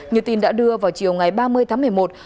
như tin đã đưa vào chiều ngày ba mươi tháng một mươi một